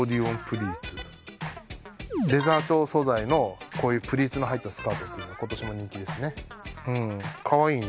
レザー調素材のこういうプリーツの入ったスカートっていうの今年も人気ですね